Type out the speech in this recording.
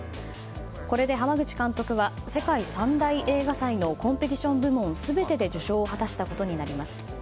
これで濱口監督は世界三大映画祭のコンペティション部門全てで受賞を果たしたことになります。